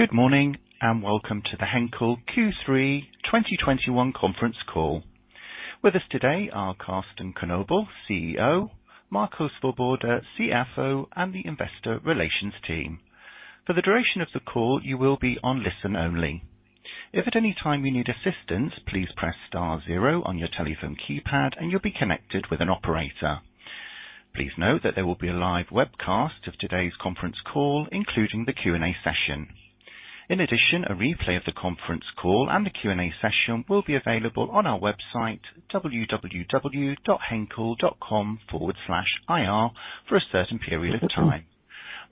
Good morning, and welcome to the Henkel Q3 2021 conference call. With us today are Carsten Knobel, CEO, Marco Swoboda, CFO, and the investor relations team. For the duration of the call, you will be on listen only. If at any time you need assistance, please press star zero on your telephone keypad, and you'll be connected with an operator. Please note that there will be a live webcast of today's conference call, including the Q&A session. In addition, a replay of the conference call and the Q&A session will be available on our website, www.henkel.com/ir for a certain period of time.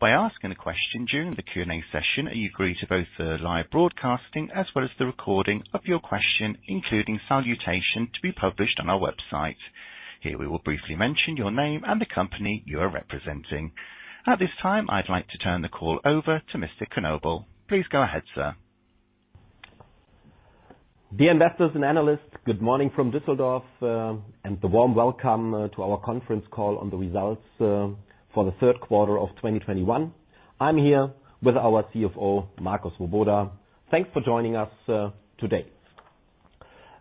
By asking a question during the Q&A session, you agree to both the live broadcasting as well as the recording of your question, including salutation, to be published on our website. Here, we will briefly mention your name and the company you are representing. At this time, I'd like to turn the call over to Mr. Knobel. Please go ahead, sir. Dear investors and analysts, good morning from Düsseldorf, and a warm welcome to our conference call on the results for the third quarter of 2021. I'm here with our CFO, Marco Swoboda. Thanks for joining us today.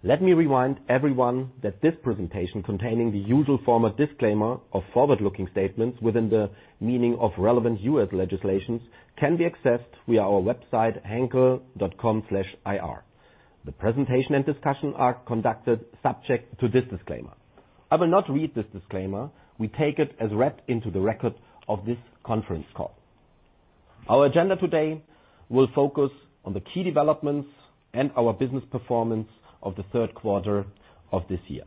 Let me remind everyone that this presentation, containing the usual form of disclaimer of forward-looking statements within the meaning of relevant U.S. legislation, can be accessed via our website, henkel.com/ir. The presentation and discussion are conducted subject to this disclaimer. I will not read this disclaimer. We take it as read into the record of this conference call. Our agenda today will focus on the key developments and our business performance of the third quarter of this year.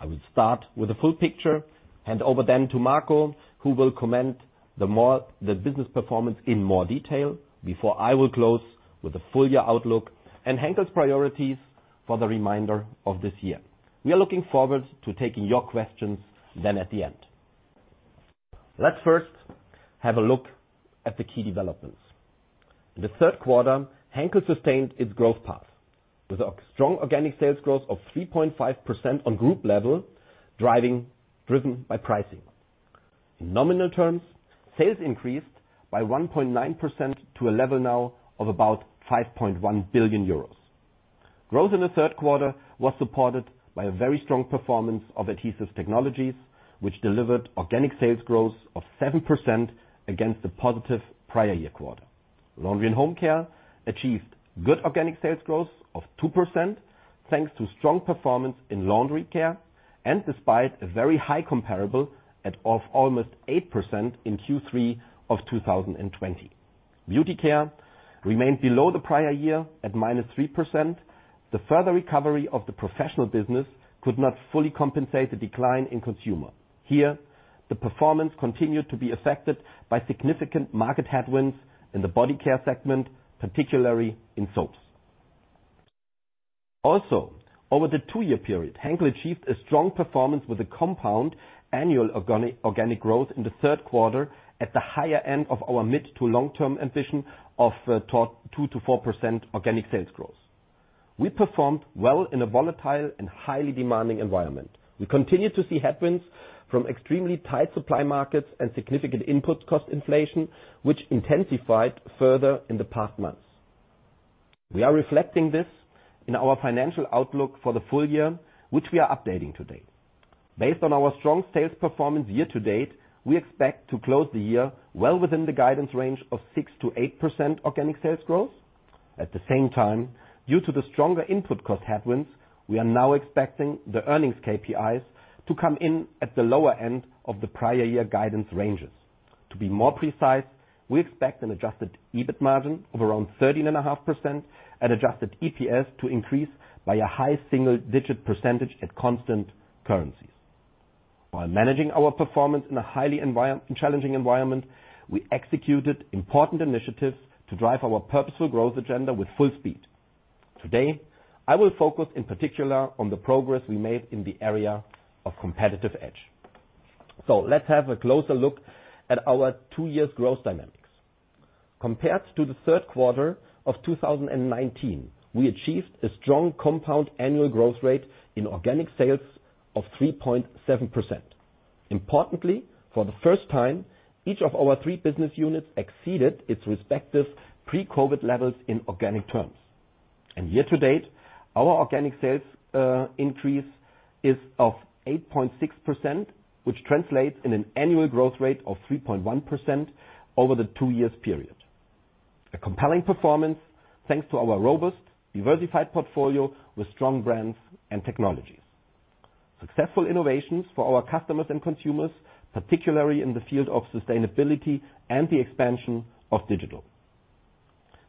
I will start with the full picture. Hand over to Marco, who will comment on the business performance in more detail before I will close with the full year outlook and Henkel's priorities for the remainder of this year. We are looking forward to taking your questions then at the end. Let's first have a look at the key developments. In the third quarter, Henkel sustained its growth path with a strong organic sales growth of 3.5% on group level, driven by pricing. In nominal terms, sales increased by 1.9% to a level now of about 5.1 billion euros. Growth in the third quarter was supported by a very strong performance of Adhesive Technologies, which delivered organic sales growth of 7% against the positive prior year quarter. Laundry and Home Care achieved good organic sales growth of 2% thanks to strong performance in laundry care and despite a very high comparable base of almost 8% in Q3 2020. Beauty Care remained below the prior year at -3%. The further recovery of the professional business could not fully compensate the decline in consumer. Here, the performance continued to be affected by significant market headwinds in the body care segment, particularly in soaps. Also, over the two-year period, Henkel achieved a strong performance with a compound annual organic growth in the third quarter at the higher end of our mid- to long-term ambition of 2%-4% organic sales growth. We performed well in a volatile and highly demanding environment. We continue to see headwinds from extremely tight supply markets and significant input cost inflation, which intensified further in the past months. We are reflecting this in our financial outlook for the full year, which we are updating today. Based on our strong sales performance year to date, we expect to close the year well within the guidance range of 6%-8% organic sales growth. At the same time, due to the stronger input cost headwinds, we are now expecting the earnings KPIs to come in at the lower end of the prior year guidance ranges. To be more precise, we expect an adjusted EBIT margin of around 13.5% and adjusted EPS to increase by a high single-digit percentage at constant currencies. While managing our performance in a challenging environment, we executed important initiatives to drive our Purposeful Growth agenda with full speed. Today, I will focus in particular on the progress we made in the area of competitive edge. Let's have a closer look at our two years' growth dynamics. Compared to the third quarter of 2019, we achieved a strong compound annual growth rate in organic sales of 3.7%. Importantly, for the first time, each of our three business units exceeded its respective pre-COVID levels in organic terms. Year to date, our organic sales increase is of 8.6%, which translates in an annual growth rate of 3.1% over the two years period. A compelling performance thanks to our robust, diversified portfolio with strong brands and technologies, successful innovations for our customers and consumers, particularly in the field of sustainability and the expansion of digital.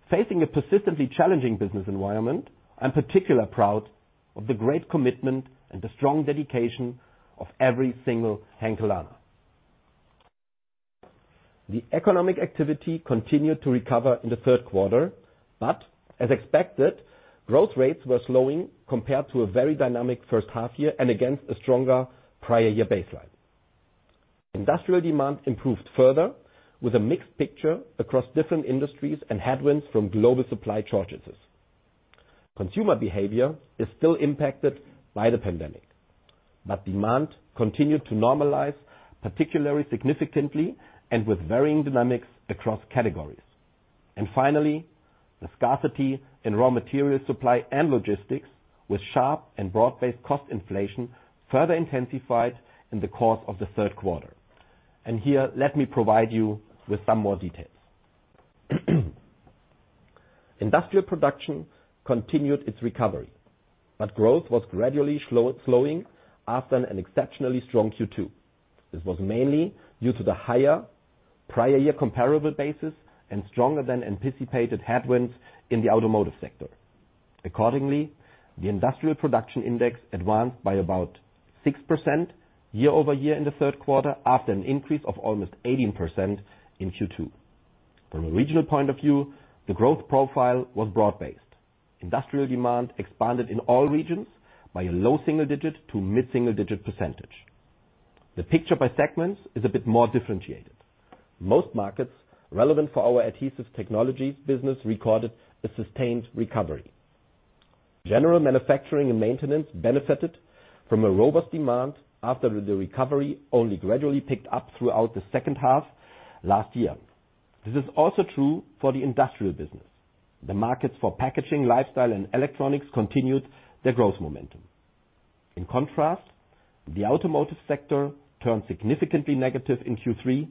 Facing a persistently challenging business environment, I'm particularly proud of the great commitment and the strong dedication of every single Henkelaner. The economic activity continued to recover in the third quarter, but as expected, growth rates were slowing compared to a very dynamic first half year and against a stronger prior year baseline. Industrial demand improved further with a mixed picture across different industries and headwinds from global supply shortages. Consumer behavior is still impacted by the pandemic, but demand continued to normalize, particularly significantly and with varying dynamics across categories. Finally, the scarcity in raw material supply and logistics with sharp and broad-based cost inflation further intensified in the course of the third quarter. Here, let me provide you with some more details. Industrial production continued its recovery, but growth was gradually slowing after an exceptionally strong Q2. This was mainly due to the higher prior year comparable basis and stronger than anticipated headwinds in the automotive sector. Accordingly, the industrial production index advanced by about 6% year-over-year in the third quarter, after an increase of almost 18% in Q2. From a regional point of view, the growth profile was broad-based. Industrial demand expanded in all regions by a low single-digit to mid-single-digit %. The picture by segments is a bit more differentiated. Most markets relevant for our Adhesive Technologies business recorded a sustained recovery. General manufacturing and maintenance benefited from a robust demand after the recovery only gradually picked up throughout the second half last year. This is also true for the industrial business. The markets for packaging, lifestyle and electronics continued their growth momentum. In contrast, the automotive sector turned significantly negative in Q3.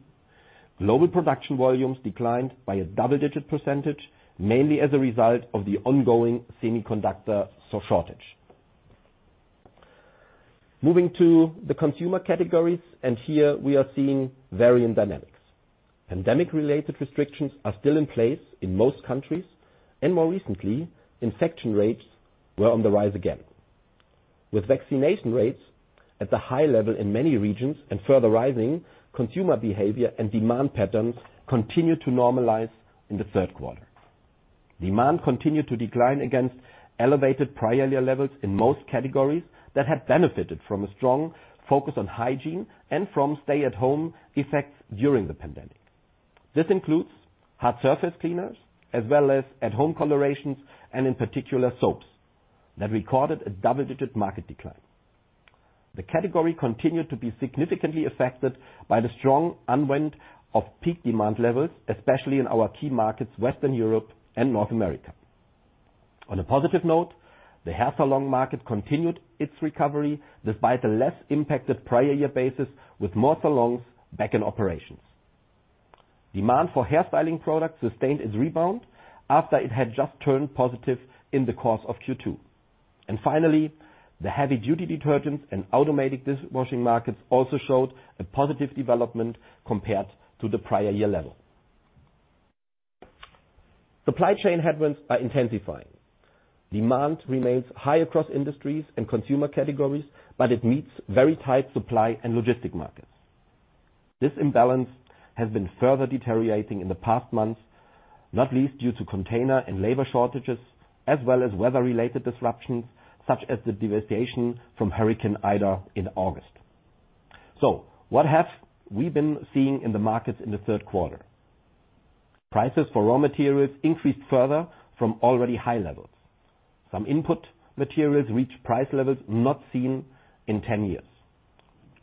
Global production volumes declined by a double-digit %. Mainly as a result of the ongoing semiconductor shortage. Moving to the consumer categories, here we are seeing varying dynamics. Pandemic-related restrictions are still in place in most countries, and more recently, infection rates were on the rise again. With vaccination rates at a high level in many regions and further rising, consumer behavior and demand patterns continued to normalize in the third quarter. Demand continued to decline against elevated prior year levels in most categories that have benefited from a strong focus on hygiene and from stay-at-home effects during the pandemic. This includes hard surface cleaners as well as at-home colorations and in particular soaps that recorded a double-digit % market decline. The category continued to be significantly affected by the strong unwinds of peak demand levels, especially in our key markets, Western Europe and North America. On a positive note, the hair salon market continued its recovery despite a less impacted prior year basis, with more salons back in operations. Demand for hair styling products sustained its rebound after it had just turned positive in the course of Q2. Finally, the heavy duty detergents and automatic dishwashing markets also showed a positive development compared to the prior year level. Supply chain headwinds are intensifying. Demand remains high across industries and consumer categories, but it meets very tight supply and logistic markets. This imbalance has been further deteriorating in the past months, not least due to container and labor shortages as well as weather-related disruptions such as the devastation from Hurricane Ida in August. What have we been seeing in the markets in the third quarter? Prices for raw materials increased further from already high levels. Some input materials reached price levels not seen in 10 years.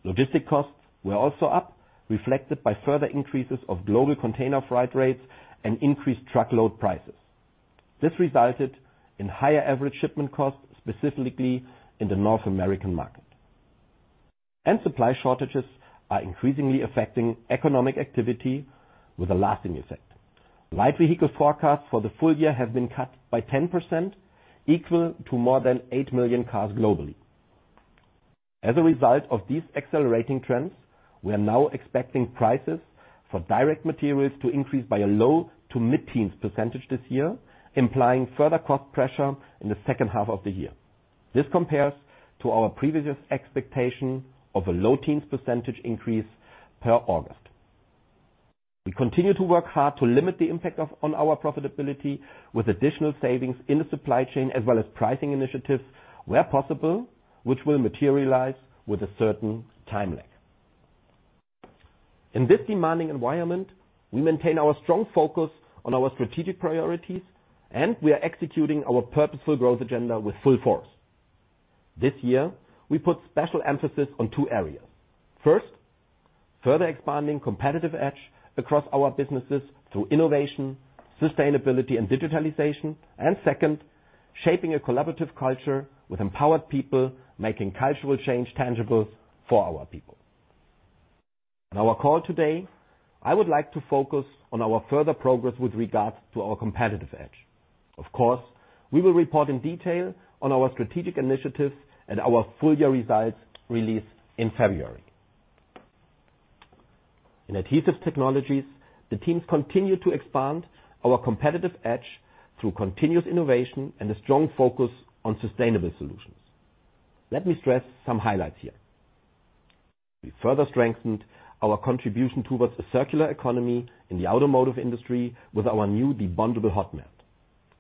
Logistics costs were also up, reflected by further increases of global container freight rates and increased truckload prices. This resulted in higher average shipment costs, specifically in the North American market. Supply shortages are increasingly affecting economic activity with a lasting effect. Light vehicle forecasts for the full year have been cut by 10% equal to more than eight million cars globally. As a result of these accelerating trends, we are now expecting prices for direct materials to increase by a low to mid-teens percentage this year, implying further cost pressure in the second half of the year. This compares to our previous expectation of a low-teens percentage increase per August. We continue to work hard to limit the impact of on our profitability with additional savings in the supply chain as well as pricing initiatives where possible, which will materialize with a certain time lag. In this demanding environment, we maintain our strong focus on our strategic priorities, and we are executing our Purposeful Growth agenda with full force. This year, we put special emphasis on two areas. First, further expanding competitive edge across our businesses through innovation, sustainability and digitalization. Second, shaping a collaborative culture with empowered people, making cultural change tangible for our people. In our call today, I would like to focus on our further progress with regards to our competitive edge. Of course, we will report in detail on our strategic initiatives at our full year results release in February. In Adhesive Technologies, the teams continue to expand our competitive edge through continuous innovation and a strong focus on sustainable solutions. Let me stress some highlights here. We further strengthened our contribution towards a circular economy in the automotive industry with our new debondable hot melt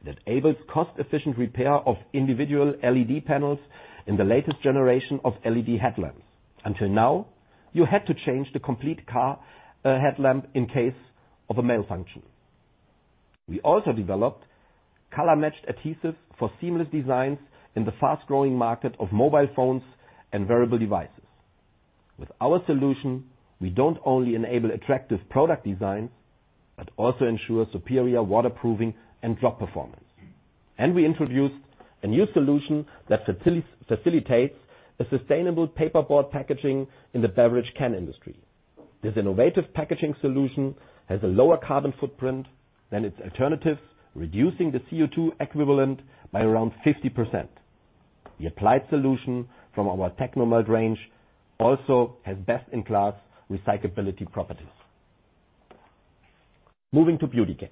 that enables cost efficient repair of individual LED panels in the latest generation of LED headlamps. Until now, you had to change the complete car headlamp in case of a malfunction. We also developed color-matched adhesives for seamless designs in the fast-growing market of mobile phones and wearable devices. With our solution, we don't only enable attractive product designs, but also ensure superior waterproofing and drop performance. We introduced a new solution that facilitates a sustainable paperboard packaging in the beverage can industry. This innovative packaging solution has a lower carbon footprint than its alternative, reducing the CO2 equivalent by around 50%. The applied solution from our Technomelt range also has best-in-class recyclability properties. Moving to Beauty Care.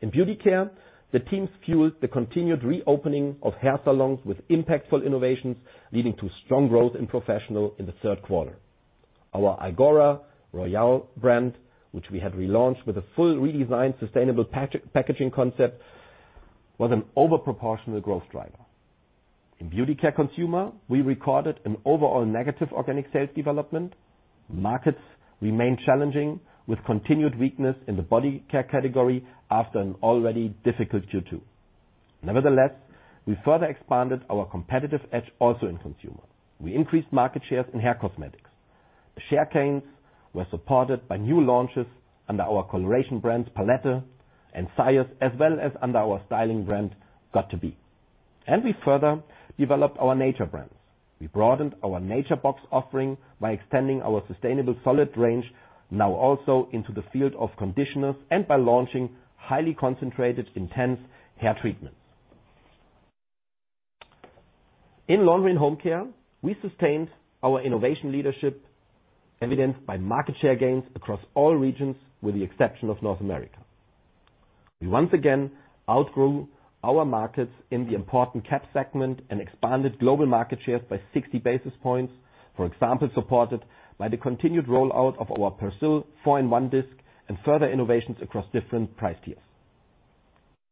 In Beauty Care, the teams fueled the continued reopening of hair salons with impactful innovations, leading to strong growth in professional in the third quarter. Our Igora Royal brand, which we had relaunched with a full redesigned sustainable packaging concept, was an overproportional growth driver. In Beauty Care Consumer, we recorded an overall negative organic sales development. Markets remain challenging, with continued weakness in the body care category after an already difficult Q2. Nevertheless, we further expanded our competitive edge also in Consumer. We increased market shares in hair cosmetics. The share gains were supported by new launches under our coloration brands Palette and Syoss, as well as under our styling brand göt2b. We further developed our Nature brands. We broadened our Nature Box offering by extending our sustainable solid range now also into the field of conditioners and by launching highly concentrated intense hair treatments. In Laundry and Home Care, we sustained our innovation leadership, evidenced by market share gains across all regions, with the exception of North America. We once again outgrew our markets in the important cap segment and expanded global market shares by 60 basis points. For example, supported by the continued rollout of our Persil 4in1 Discs and further innovations across different price tiers.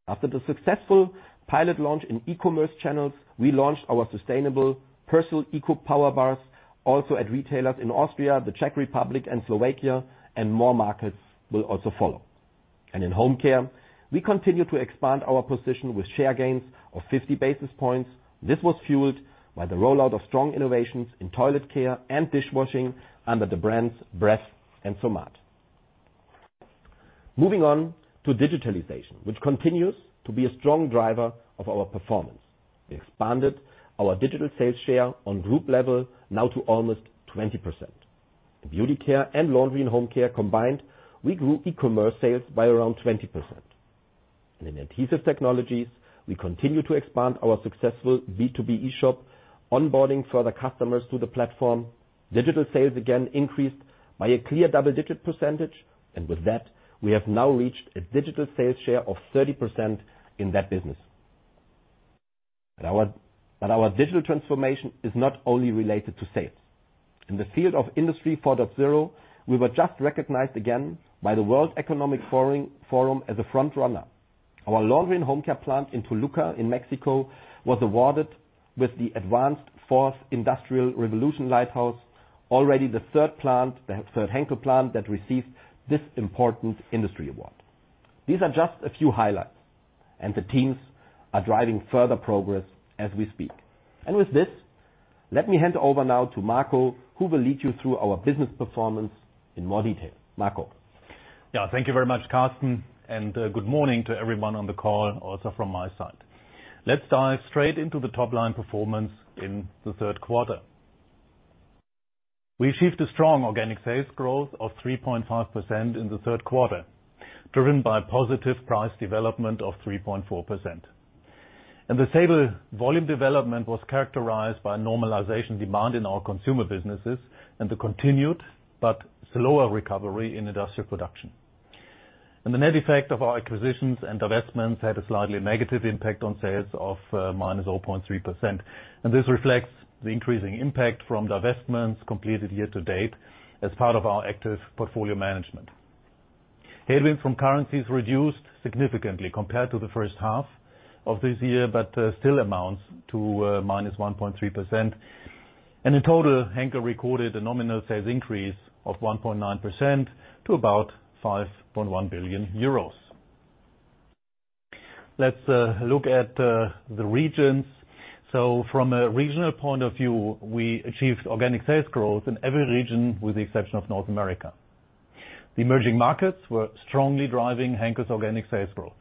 After the successful pilot launch in e-commerce channels, we launched our sustainable Persil Eco Power Bars also at retailers in Austria, the Czech Republic, and Slovakia, and more markets will also follow. In Home Care, we continue to expand our position with share gains of 50 basis points. This was fueled by the rollout of strong innovations in toilet care and dishwashing under the brands Bref and Somat. Moving on to digitalization, which continues to be a strong driver of our performance. We expanded our digital sales share on group level now to almost 20%. In Beauty Care and Laundry and Home Care combined, we grew e-commerce sales by around 20%. In Adhesive Technologies, we continue to expand our successful B2B eShop, onboarding further customers to the platform. Digital sales again increased by a clear double-digit percentage. With that, we have now reached a digital sales share of 30% in that business. Our digital transformation is not only related to sales. In the field of Industry 4.0, we were just recognized again by the World Economic Forum as a front runner. Our Laundry and Home Care plant in Toluca in Mexico was awarded with the Advanced Fourth Industrial Revolution Lighthouse, already the third plant, the third Henkel plant, that received this important industry award. These are just a few highlights, and the teams are driving further progress as we speak. With this, let me hand over now to Marco, who will lead you through our business performance in more detail. Marco. Yeah. Thank you very much, Carsten, and good morning to everyone on the call also from my side. Let's dive straight into the top line performance in the third quarter. We achieved a strong organic sales growth of 3.5% in the third quarter, driven by positive price development of 3.4%. The stable volume development was characterized by normalized demand in our consumer businesses and the continued but slower recovery in industrial production. The net effect of our acquisitions and divestments had a slightly negative impact on sales of -0.3%, and this reflects the increasing impact from divestments completed year to date as part of our active portfolio management. Headwind from currencies reduced significantly compared to the first half of this year, but still amounts to -1.3%. In total, Henkel recorded a nominal sales increase of 1.9% to about 5.1 billion euros. Let's look at the regions. From a regional point of view, we achieved organic sales growth in every region with the exception of North America. The emerging markets were strongly driving Henkel's organic sales growth,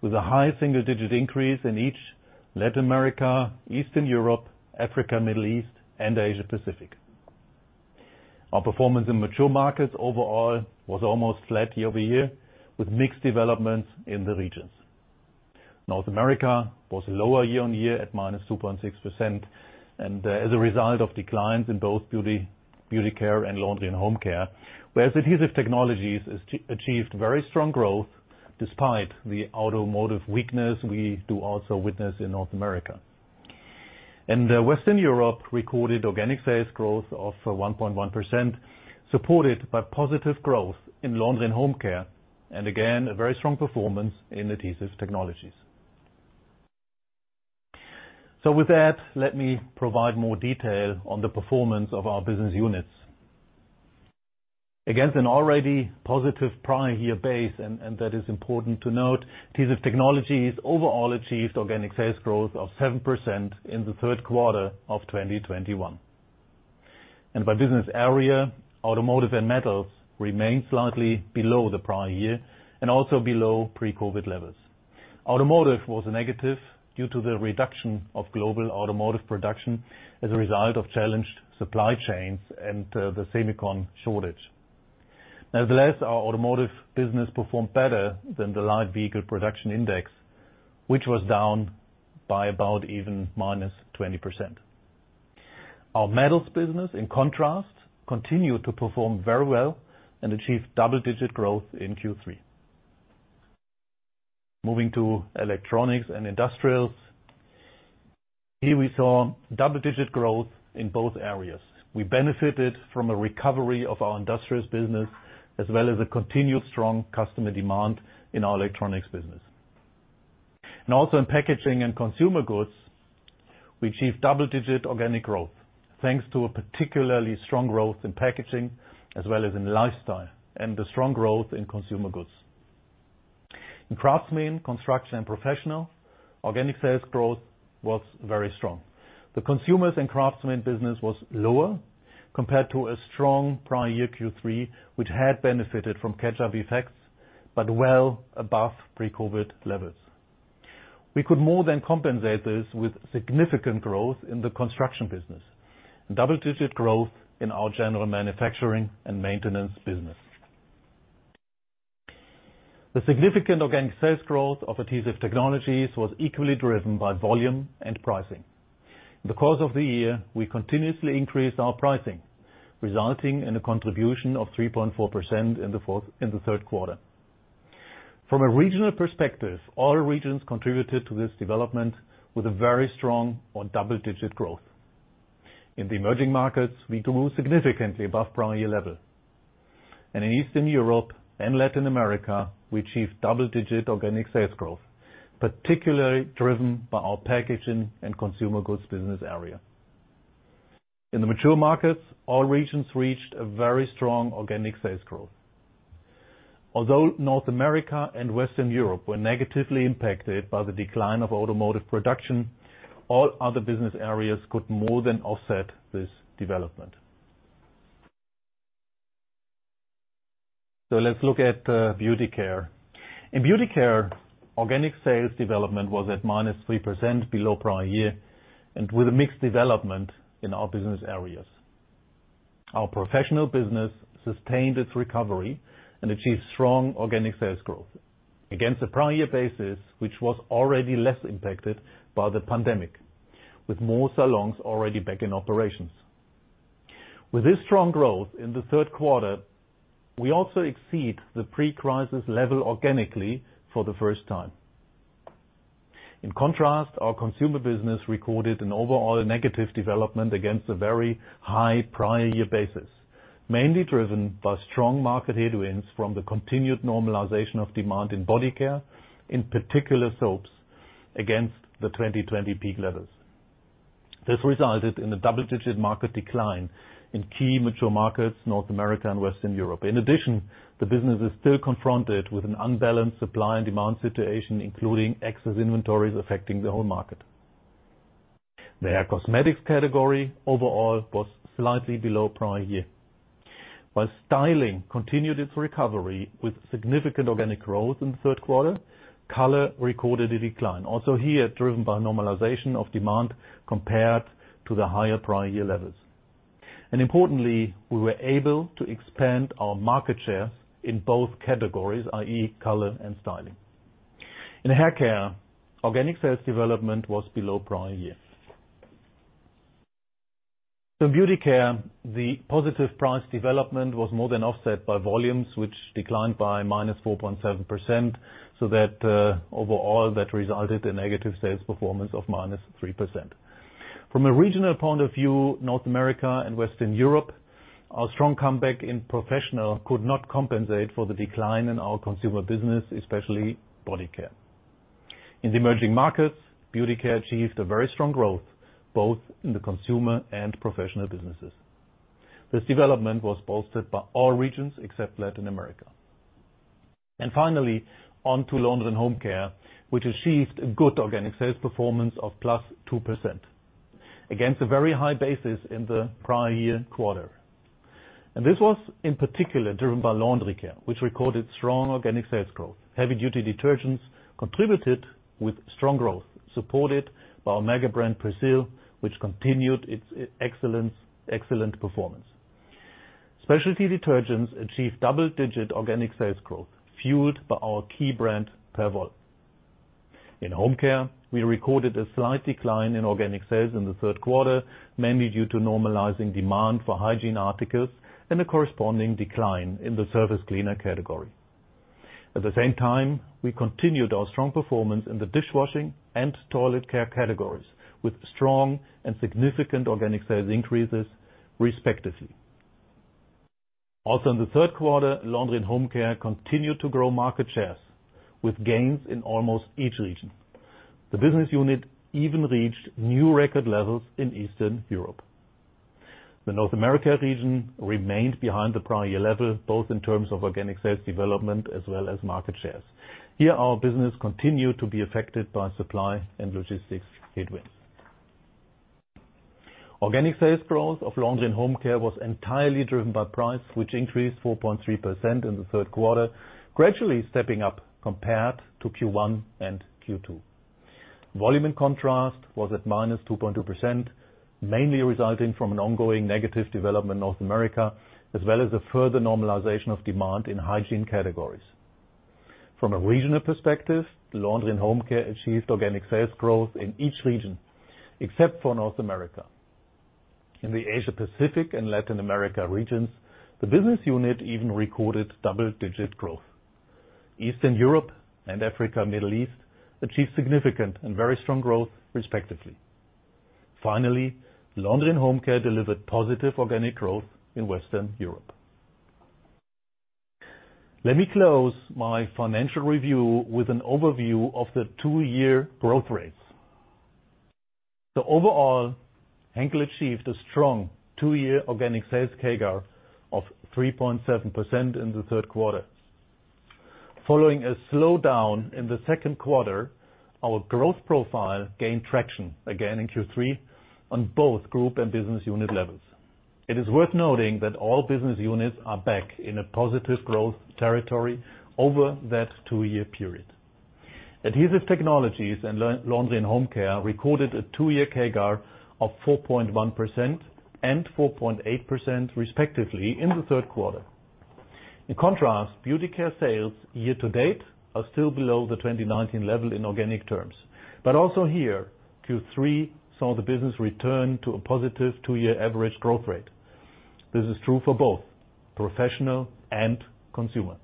with a high single-digit increase in each Latin America, Eastern Europe, Africa, Middle East, and Asia Pacific. Our performance in mature markets overall was almost flat year-over-year, with mixed developments in the regions. North America was lower year-on-year at -2.6%, as a result of declines in both Beauty Care and Laundry and Home Care, whereas Adhesive Technologies achieved very strong growth despite the automotive weakness we do also witness in North America. Western Europe recorded organic sales growth of 1.1%, supported by positive growth in Laundry and Home Care, and again, a very strong performance in Adhesive Technologies. With that, let me provide more detail on the performance of our business units. Against an already positive prior year base, and that is important to note, Adhesive Technologies overall achieved organic sales growth of 7% in the third quarter of 2021. By business area, Automotive and Metals remained slightly below the prior year and also below pre-COVID levels. Automotive was negative due to the reduction of global automotive production as a result of challenged supply chains and the semiconductor shortage. Nevertheless, our Automotive business performed better than the light vehicle production index, which was down by about even -20%. Our Metals business, in contrast, continued to perform very well and achieved double-digit growth in Q3. Moving to Electronics and Industrials, here we saw double-digit growth in both areas. We benefited from a recovery of our Industrials business as well as a continued strong customer demand in our Electronics business. Also in Packaging and Consumer Goods, we achieved double-digit organic growth, thanks to a particularly strong growth in Packaging as well as in lifestyle, and the strong growth in Consumer Goods. In Craftsmen, Construction & Professional, organic sales growth was very strong. The Consumers and Craftsmen business was lower compared to a strong prior year Q3, which had benefited from catch-up effects, but well above pre-COVID levels. We could more than compensate this with significant growth in the Construction business, and double-digit growth in our general manufacturing and maintenance business. The significant organic sales growth of Adhesive Technologies was equally driven by volume and pricing. In the course of the year, we continuously increased our pricing, resulting in a contribution of 3.4% in the third quarter. From a regional perspective, all regions contributed to this development with a very strong or double-digit growth. In the emerging markets, we grew significantly above prior year level. In Eastern Europe and Latin America, we achieved double-digit organic sales growth, particularly driven by our Packaging and Consumer Goods business area. In the mature markets, all regions reached a very strong organic sales growth. Although North America and Western Europe were negatively impacted by the decline of automotive production, all other business areas could more than offset this development. Let's look at Beauty Care. In Beauty Care, organic sales development was at -3% below prior year, and with a mixed development in our business areas. Our Professional business sustained its recovery and achieved strong organic sales growth against a prior year basis, which was already less impacted by the pandemic, with more salons already back in operations. With this strong growth in the third quarter, we also exceed the pre-crisis level organically for the first time. In contrast, our Consumer business recorded an overall negative development against a very high prior year basis, mainly driven by strong market headwinds from the continued normalization of demand in body care, in particular soaps, against the 2020 peak levels. This resulted in a double-digit market decline in key mature markets, North America and Western Europe. In addition, the business is still confronted with an unbalanced supply and demand situation, including excess inventories affecting the whole market. The Hair Cosmetics category overall was slightly below prior year. While Styling continued its recovery with significant organic growth in the third quarter, Color recorded a decline, also here driven by normalization of demand compared to the higher prior year levels. Importantly, we were able to expand our market shares in both categories, i.e. Color and Styling. In Hair Care, organic sales development was below prior year. In Beauty Care, the positive price development was more than offset by volumes, which declined by -4.7%, so that overall that resulted in negative sales performance of -3%. From a regional point of view, North America and Western Europe, our strong comeback in Professional could not compensate for the decline in our Consumer business, especially Body Care. In the emerging markets, Beauty Care achieved a very strong growth, both in the Consumer and Professional businesses. This development was bolstered by all regions except Latin America. Finally, on to Laundry and Home Care, which achieved a good organic sales performance of +2% against a very high basis in the prior year quarter. This was in particular driven by Laundry Care, which recorded strong organic sales growth. Heavy-duty detergents contributed with strong growth, supported by our mega brand, Persil, which continued its excellence, excellent performance. Specialty detergents achieved double-digit organic sales growth, fueled by our key brand, Perwoll. In Home Care, we recorded a slight decline in organic sales in the third quarter, mainly due to normalizing demand for hygiene articles and a corresponding decline in the surface cleaner category. At the same time, we continued our strong performance in the dishwashing and toilet care categories, with strong and significant organic sales increases respectively. Also in the third quarter, Laundry and Home Care continued to grow market shares with gains in almost each region. The business unit even reached new record levels in Eastern Europe. The North America region remained behind the prior year level, both in terms of organic sales development as well as market shares. Here, our business continued to be affected by supply and logistics headwinds. Organic sales growth of Laundry and Home Care was entirely driven by price, which increased 4.3% in the third quarter, gradually stepping up compared to Q1 and Q2. Volume, in contrast, was at -2.2%, mainly resulting from an ongoing negative development in North America, as well as the further normalization of demand in hygiene categories. From a regional perspective, Laundry and Home Care achieved organic sales growth in each region except for North America. In the Asia-Pacific and Latin America regions, the business unit even recorded double-digit growth. Eastern Europe and Africa, Middle East achieved significant and very strong growth respectively. Finally, Laundry and Home Care delivered positive organic growth in Western Europe. Let me close my financial review with an overview of the two-year growth rates. Overall, Henkel achieved a strong two-year organic sales CAGR of 3.7% in the third quarter. Following a slowdown in the second quarter, our growth profile gained traction again in Q3 on both group and business unit levels. It is worth noting that all business units are back in a positive growth territory over that two-year period. Adhesive Technologies and Laundry and Home Care recorded a two-year CAGR of 4.1% and 4.8% respectively in the third quarter. In contrast, Beauty Care sales year to date are still below the 2019 level in organic terms. Also here, Q3 saw the business return to a positive two-year average growth rate. This is true for both professional and consumer.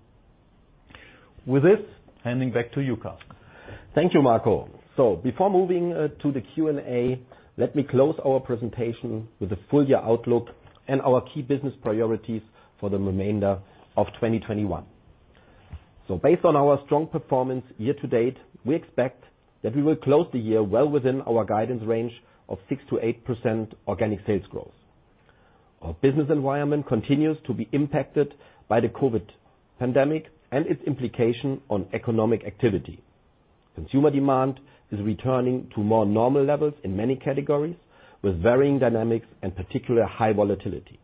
With this, handing back to you, Carsten. Thank you, Marco. Before moving to the Q&A, let me close our presentation with the full year outlook and our key business priorities for the remainder of 2021. Based on our strong performance year to date, we expect that we will close the year well within our guidance range of 6%-8% organic sales growth. Our business environment continues to be impacted by the COVID pandemic and its implication on economic activity. Consumer demand is returning to more normal levels in many categories, with varying dynamics and particularly high volatility.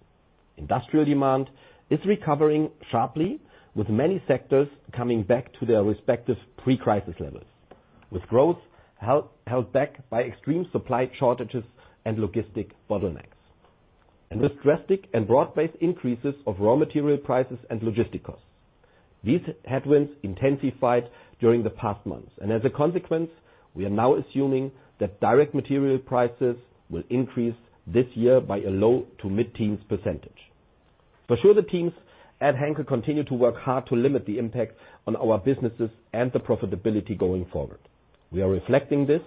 Industrial demand is recovering sharply, with many sectors coming back to their respective pre-crisis levels, with growth held back by extreme supply shortages and logistics bottlenecks, and with drastic and broad-based increases of raw material prices and logistics costs. These headwinds intensified during the past months, and as a consequence, we are now assuming that direct material prices will increase this year by a low to mid-teens percentage. For sure, the teams at Henkel continue to work hard to limit the impact on our businesses and the profitability going forward. We are reflecting this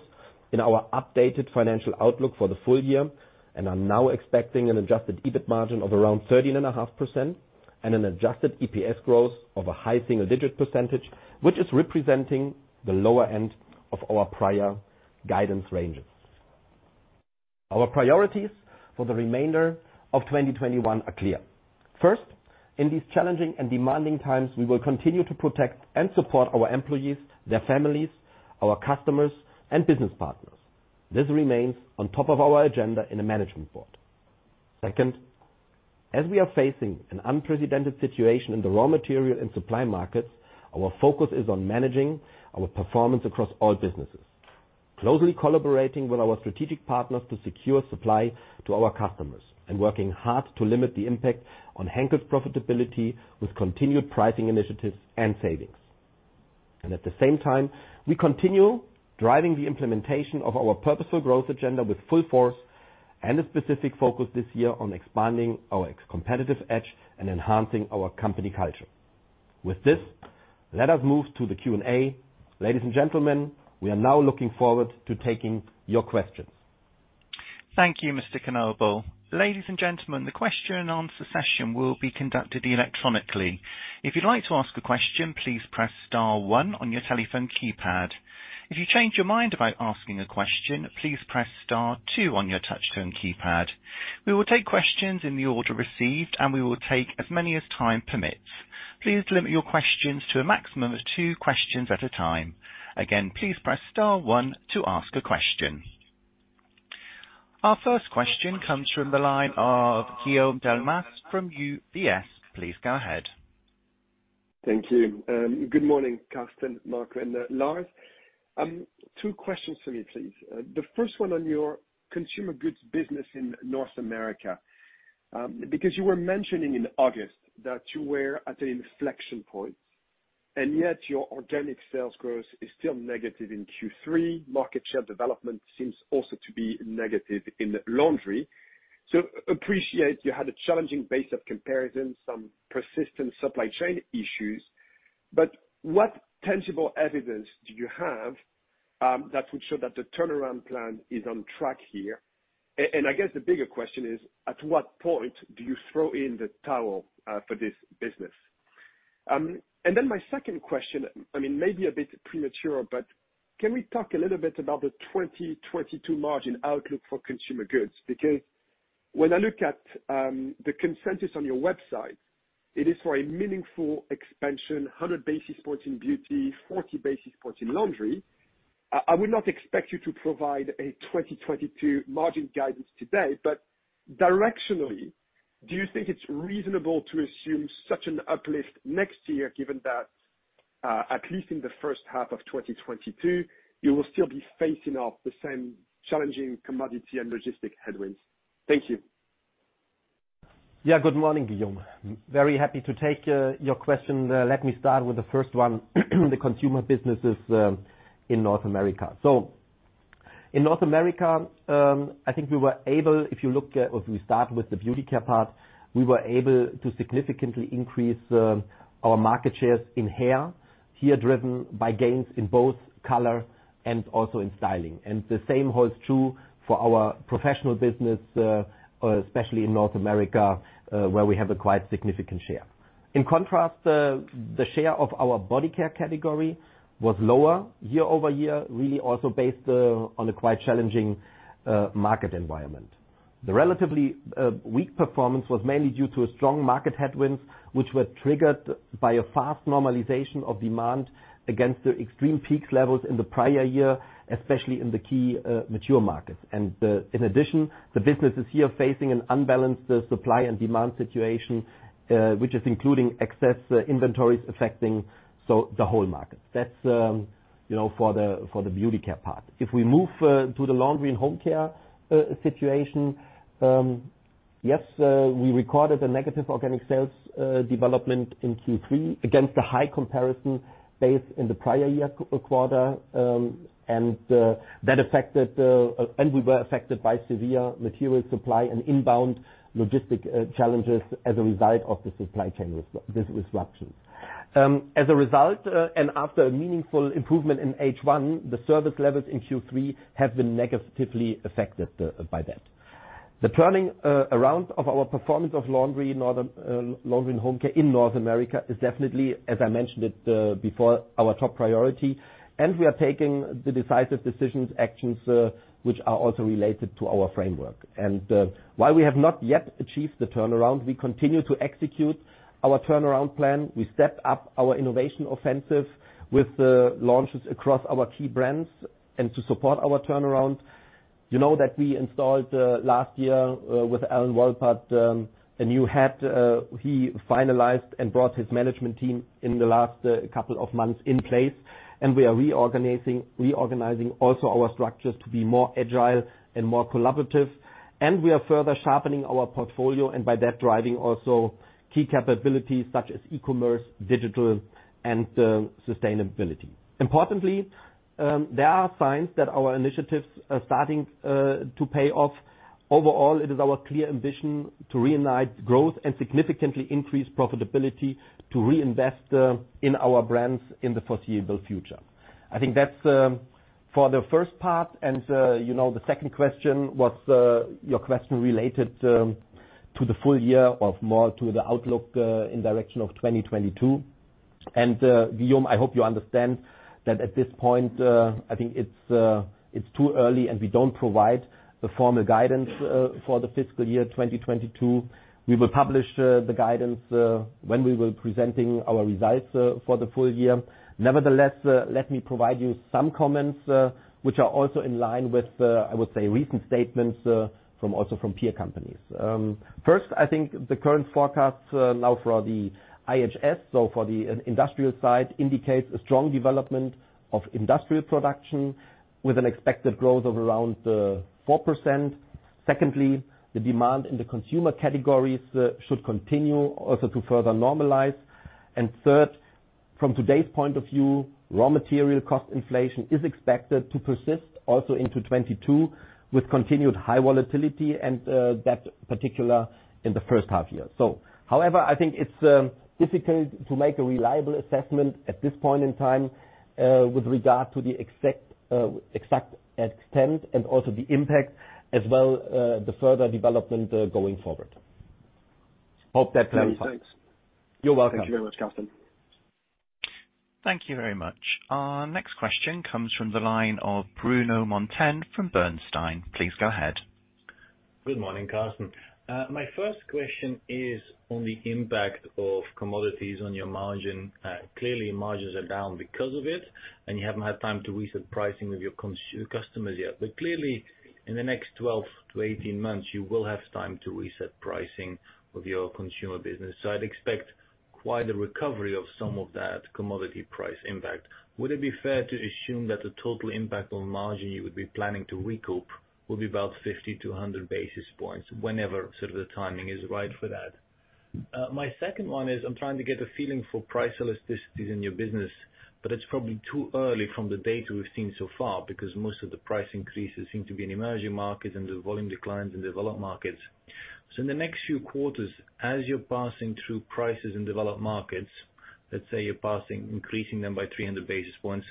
in our updated financial outlook for the full year and are now expecting an adjusted EBIT margin of around 13.5% and an adjusted EPS growth of a high single-digit percentage, which is representing the lower end of our prior guidance ranges. Our priorities for the remainder of 2021 are clear. First, in these challenging and demanding times, we will continue to protect and support our employees, their families, our customers and business partners. This remains on top of our agenda in the management board. Second, as we are facing an unprecedented situation in the raw material and supply markets, our focus is on managing our performance across all businesses, closely collaborating with our strategic partners to secure supply to our customers and working hard to limit the impact on Henkel's profitability with continued pricing initiatives and savings. At the same time, we continue driving the implementation of our Purposeful Growth agenda with full force and a specific focus this year on expanding our competitive edge and enhancing our company culture. With this, let us move to the Q&A. Ladies and gentlemen, we are now looking forward to taking your questions. Thank you, Mr. Knobel. Ladies and gentlemen, the question and answer session will be conducted electronically. If you'd like to ask a question, please press star one on your telephone keypad. If you change your mind about asking a question, please press star two on your touchtone keypad. We will take questions in the order received, and we will take as many as time permits. Please limit your questions to a maximum of two questions at a time. Again, please press star one to ask a question. Our first question comes from the line of Guillaume Delmas from UBS. Please go ahead. Thank you. Good morning, Carsten, Marco, and Lars. Two questions for me, please. The first one on your consumer goods business in North America, because you were mentioning in August that you were at an inflection point, and yet your organic sales growth is still negative in Q3. Market share development seems also to be negative in Laundry. I appreciate that you had a challenging base of comparison, some persistent supply chain issues, but what tangible evidence do you have that would show that the turnaround plan is on track here? I guess the bigger question is, at what point do you throw in the towel for this business? Then my second question, I mean, may be a bit premature, but can we talk a little bit about the 2022 margin outlook for consumer goods? Because when I look at the consensus on your website, it is for a meaningful expansion, 100 basis points in beauty, 40 basis points in laundry. I will not expect you to provide a 2022 margin guidance today, but directionally, do you think it's reasonable to assume such an uplift next year, given that at least in the first half of 2022, you will still be facing off the same challenging commodity and logistics headwinds? Thank you. Yeah. Good morning, Guillaume. Very happy to take your question. Let me start with the first one, the consumer businesses in North America. In North America, I think we were able, if we start with the Beauty Care part, to significantly increase our market shares in hair, heavily driven by gains in both color and also in styling. The same holds true for our professional business, especially in North America, where we have a quite significant share. In contrast, the share of our Body Care category was lower year-over-year, really also based on a quite challenging market environment. The relatively weak performance was mainly due to strong market headwinds, which were triggered by a fast normalization of demand against the extreme peak levels in the prior year, especially in the key mature markets. In addition, the businesses here are facing an unbalanced supply and demand situation, which is including excess inventories affecting the whole market. That's, you know, for the Beauty Care part. If we move to the Laundry and Home Care situation, yes, we recorded a negative organic sales development in Q3 against a high comparison base in the prior year quarter, and that affected. We were affected by severe material supply and inbound logistic challenges as a result of the supply chain disruptions. As a result, after a meaningful improvement in H1, the service levels in Q3 have been negatively affected by that. The turning around of our performance of Laundry and Home Care in North America is definitely, as I mentioned it before, our top priority, and we are taking the decisive decisions, actions which are also related to our framework. While we have not yet achieved the turnaround, we continue to execute our turnaround plan. We step up our innovation offensive with the launches across our key brands and to support our turnaround. You know that we installed last year with Alan Wolpert a new head. He finalized and brought his management team in the last couple of months in place, and we are reorganizing also our structures to be more agile and more collaborative, and we are further sharpening our portfolio and by that driving also key capabilities such as e-commerce, digital, and sustainability. Importantly, there are signs that our initiatives are starting to pay off. Overall, it is our clear ambition to reignite growth and significantly increase profitability to reinvest in our brands in the foreseeable future. I think that's for the first part. You know, the second question was your question related to the full year of more to the outlook in direction of 2022. Guillaume, I hope you understand that at this point, I think it's too early, and we don't provide the formal guidance for the fiscal year 2022. We will publish the guidance when we will presenting our results for the full year. Nevertheless, let me provide you some comments which are also in line with I would say recent statements also from peer companies. First, I think the current forecast now for the IHS, so for the industrial side, indicates a strong development of industrial production with an expected growth of around 4%. Secondly, the demand in the consumer categories should continue also to further normalize. Third, from today's point of view, raw material cost inflation is expected to persist also into 2022 with continued high volatility and that particularly in the first half year. However, I think it's difficult to make a reliable assessment at this point in time with regard to the exact extent and also the impact as well, the further development going forward. Hope that clarifies. Thanks. You're welcome. Thank you very much, Carsten. Thank you very much. Our next question comes from the line of Bruno Monteyne from Bernstein. Please go ahead. Good morning, Carsten. My first question is on the impact of commodities on your margin. Clearly margins are down because of it, and you haven't had time to reset pricing with your customers yet. Clearly, in the next 12 to 18 months, you will have time to reset pricing with your consumer business. I'd expect quite a recovery of some of that commodity price impact. Would it be fair to assume that the total impact on margin you would be planning to recoup will be about 50 to 100 basis points whenever sort of the timing is right for that? My second one is I'm trying to get a feeling for price elasticity in your business, but it's probably too early from the data we've seen so far because most of the price increases seem to be in emerging markets and the volume declines in developed markets. So in the next few quarters, as you're passing through prices in developed markets, let's say you're passing, increasing them by 300 basis points,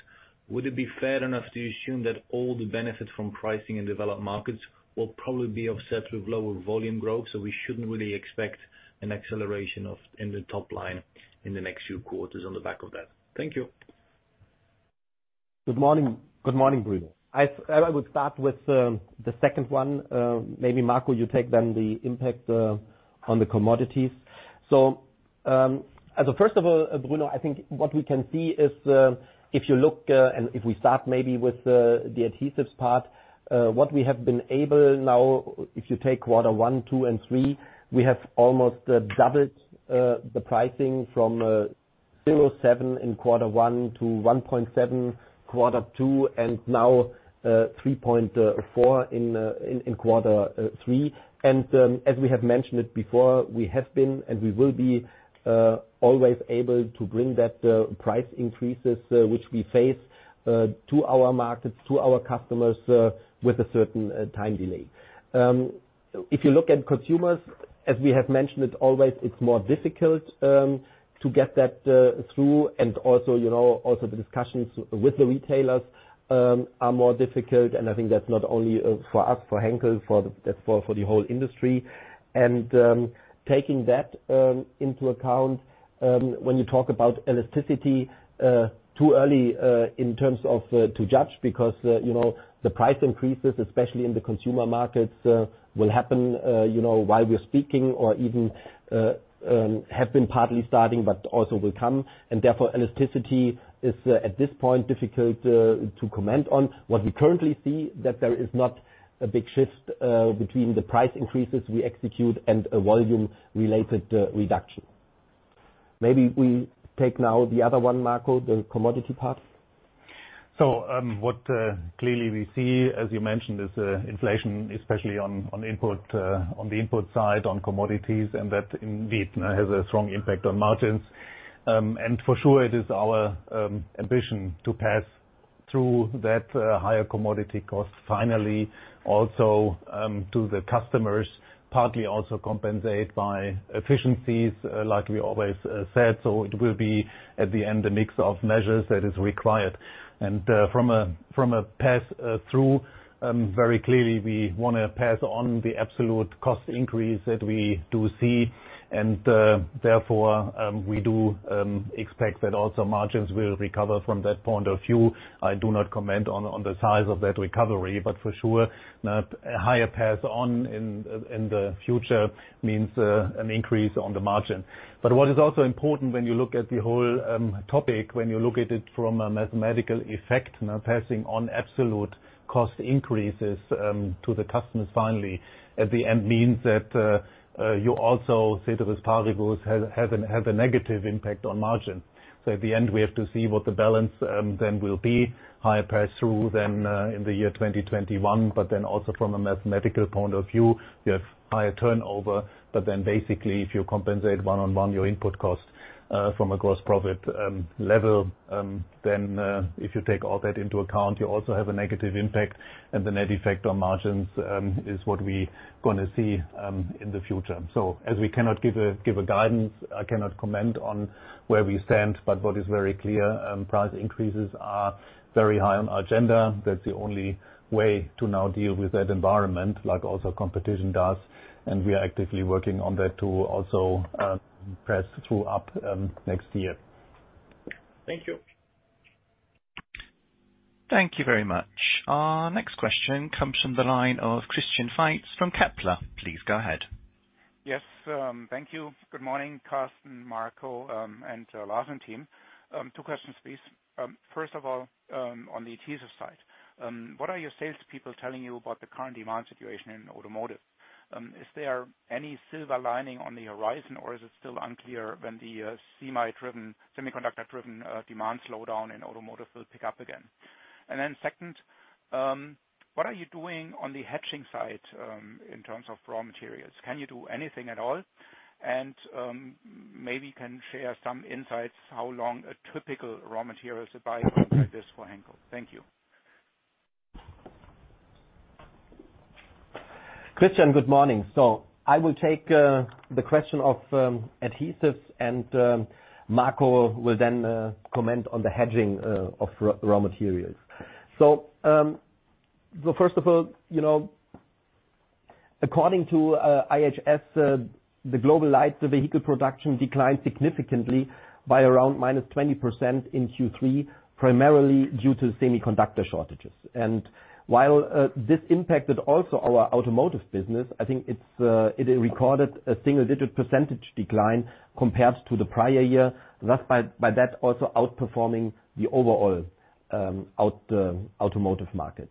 would it be fair enough to assume that all the benefits from pricing in developed markets will probably be offset with lower volume growth, so we shouldn't really expect an acceleration in the top line in the next few quarters on the back of that? Thank you. Good morning. Good morning, Bruno. I will start with the second one. Maybe Marco, you take then the impact on the commodities. As a first of all, Bruno, I think what we can see is, if you look, and if we start maybe with the adhesives part, what we have been able now, if you take quarter one, two, and three, we have almost doubled the pricing from 0.7% in quarter one to 1.7% in quarter two, and now 3.4% in quarter three. As we have mentioned it before, we have been, and we will be, always able to bring that price increases which we face to our markets, to our customers with a certain time delay. If you look at consumers, as we have mentioned it always, it's more difficult to get that through. Also, you know, the discussions with the retailers are more difficult, and I think that's not only for us, for Henkel, that's for the whole industry. Taking that into account, when you talk about elasticity too early in terms of to judge because you know, the price increases, especially in the consumer markets, will happen, you know, while we're speaking or even have been partly starting, but also will come. Therefore, elasticity is at this point difficult to comment on. What we currently see, that there is not a big shift between the price increases we execute and a volume-related reduction. Maybe we take now the other one, Marco, the commodity part. Clearly we see, as you mentioned, is inflation, especially on input on the input side, on commodities, and that indeed has a strong impact on margins. For sure, it is our ambition to pass through that higher commodity cost finally also to the customers, partly also compensate by efficiencies, like we always said. It will be at the end, a mix of measures that is required. From a pass through, very clearly we wanna pass on the absolute cost increase that we do see. Therefore, we do expect that also margins will recover from that point of view. I do not comment on the size of that recovery, but for sure, not a higher pass-through in the future means an increase on the margin. What is also important when you look at the whole topic, when you look at it from a mathematical effect, now passing on absolute cost increases to the customers finally at the end means that you also see that this partly has a negative impact on margin. At the end, we have to see what the balance then will be. Higher pass-through then in the year 2021, but then also from a mathematical point of view, you have higher turnover. Basically if you compensate one-on-one your input costs from a gross profit level, then if you take all that into account, you also have a negative impact and the net effect on margins is what we gonna see in the future. As we cannot give a guidance, I cannot comment on where we stand, but what is very clear, price increases are very high on agenda. That's the only way to now deal with that environment, like also competition does, and we are actively working on that to also press through up next year. Thank you. Thank you very much. Our next question comes from the line of Christian Faitz from Kepler. Please go ahead. Yes, thank you. Good morning, Carsten, Marco, and Lars and team. Two questions, please. First of all, on the adhesive side, what are your salespeople telling you about the current demand situation in automotive? Is there any silver lining on the horizon, or is it still unclear when the semi-driven, semiconductor-driven demand slowdown in automotive will pick up again? Then second, what are you doing on the hedging side, in terms of raw materials? Can you do anything at all? Maybe you can share some insights how long a typical raw materials buy is for Henkel. Thank you. Christian, good morning. I will take the question of adhesives, and Marco Swoboda will then comment on the hedging of raw materials. First of all, you know, according to IHS, the global light vehicle production declined significantly by around -20% in Q3, primarily due to semiconductor shortages. While this impacted also our automotive business, I think it recorded a single-digit percentage decline compared to the prior year, thus by that also outperforming the overall automotive market.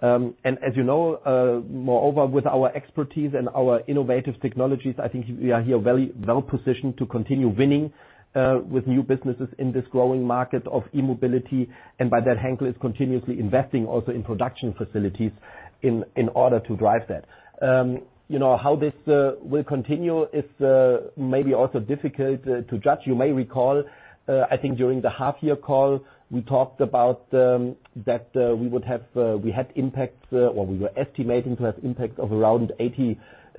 As you know, moreover, with our expertise and our innovative technologies, I think we are here very well-positioned to continue winning with new businesses in this growing market of e-mobility. By that, Henkel is continuously investing also in production facilities in order to drive that. You know, how this will continue is maybe also difficult to judge. You may recall, I think during the half year call, we talked about that we were estimating to have impact of around 80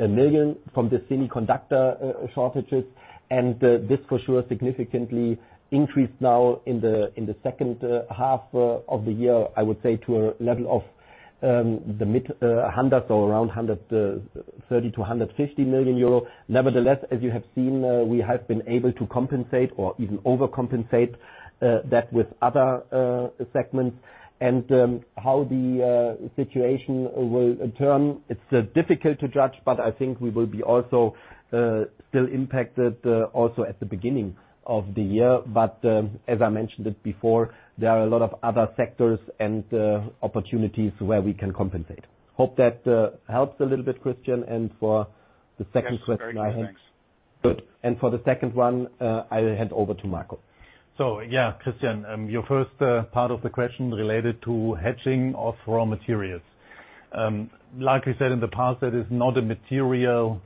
million from the semiconductor shortages. This for sure significantly increased now in the second half of the year, I would say to a level of the mid hundred or around 130 million-150 million euro. Nevertheless, as you have seen, we have been able to compensate or even overcompensate that with other segments. How the situation will turn, it's difficult to judge, but I think we will be also still impacted also at the beginning of the year. As I mentioned it before, there are a lot of other sectors and opportunities where we can compensate. Hope that helps a little bit, Christian. For the second question, I hand- Yes. Very good. Thanks. Good. For the second one, I'll hand over to Marco. Yeah, Christian, your first part of the question related to hedging of raw materials. Like we said in the past, that is not a material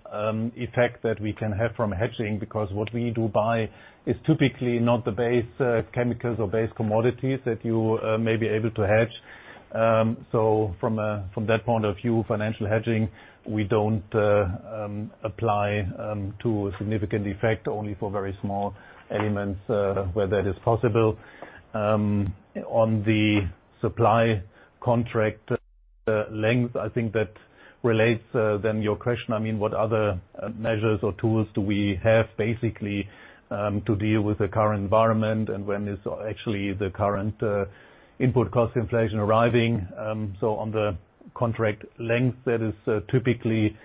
effect that we can have from hedging, because what we do buy is typically not the base chemicals or base commodities that you may be able to hedge. From that point of view, financial hedging we don't apply to a significant effect, only for very small elements where that is possible. On the supply contract length, I think that relates to your question, I mean, what other measures or tools do we have basically to deal with the current environment and when is actually the current input cost inflation arriving? On the contract length, that is typically